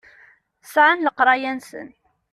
Sɛan leqraya-nsen.